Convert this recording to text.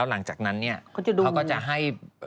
หลังจากนั้นเนี่ยเขาก็จะให้